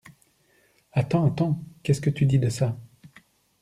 Attends, attends, qu’est-ce que tu dis de ça ?